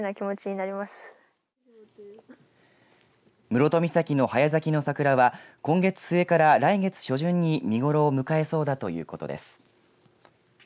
室戸岬の早咲きの桜は今月末から来月初旬に見頃を迎えそうだということです。